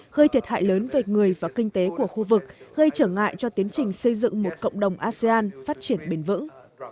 gây thiệt hại lớn về người và kinh tế của khu vực gây trở ngại cho tiến trình xây dựng một cộng đồng asean phát triển bền vững